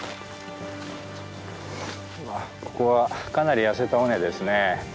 ここはかなり痩せた尾根ですね。